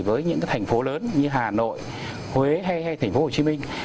với những thành phố lớn như hà nội huế hay thành phố hồ chí minh